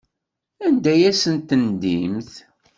Anda ay asen-tendimt?